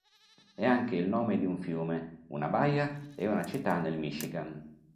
È anche il nome di un fiume, una baia e una città nel Michigan.